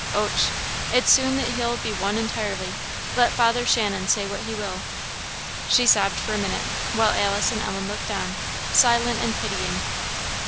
Och! it's soon that he'll be one entirely! let Father Shannon say what he will." She sobbed for a minute, while Alice and Ellen looked on, silent and pitying.